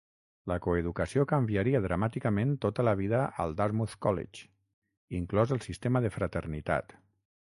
La coeducació canviaria dramàticament tota la vida social al Dartmouth College, inclòs el sistema de fraternitat.